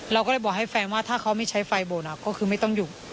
เราก็เลยบอกให้แฟนว่าถ้าเขาไม่ใช้ไฟบนก็คือไม่ต้องหยุด